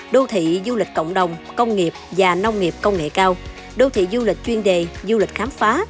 đô thị du lịch cộng đồng công nghiệp và nông nghiệp công nghệ cao đô thị du lịch chuyên đề du lịch khám phá